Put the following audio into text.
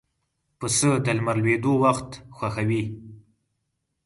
پسه د لمر لوېدو وخت خوښوي.